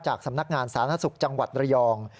สำนักงานสาธารณสุขจังหวัดระยอง